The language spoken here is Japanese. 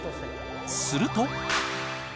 すると。